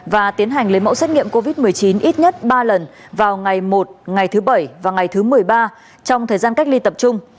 và tiến hành lấy mẫu xét nghiệm covid một mươi chín ít nhất ba lần vào ngày một ngày thứ bảy và ngày thứ một mươi ba trong thời gian cách ly tập trung